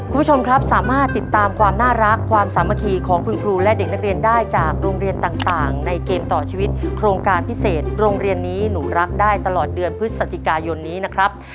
คุณผู้ชมครับสามารถติดตามความน่ารักความสามัคคีของคุณครูและเด็กนักเรียนได้จากโรงเรียนต่างในเกมต่อชีวิตโครงการพิเศษโรงเรียนนี้หนูรักได้ตลอดเดือนพฤศจิกายนนี้นะครับ